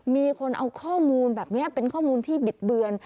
มีคนเอาข้อมูลแบบนี้เป็นข้อมูลที่บิดเบือน